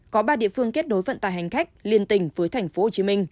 có ba địa phương kết đối vận tải hành khách liên tình với tp hcm